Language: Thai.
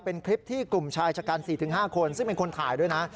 เป็นคลิปที่กลุ่มชายชะกัน๔๕คนซึ่งเป็นคนถ่ายด้วยนะ